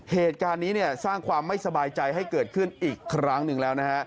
เหตุการณ์นี้สร้างความไม่สบายใจให้เกิดขึ้นอีกครั้งหนึ่งแล้วนะฮะ